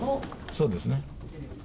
そうですね。